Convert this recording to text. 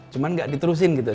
cuman gak diterusin gitu